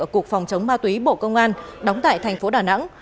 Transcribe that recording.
ở cục phòng chống ma túy bộ công an đóng tại tp đà nẵng